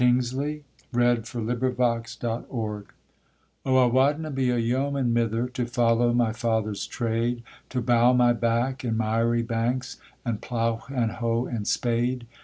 In the New Forest, 1847, THE OUTLAW Oh, I wadna be a yeoman, mither, to follow my father's trade, To bow my back in miry banks, at pleugh and hoe and spade.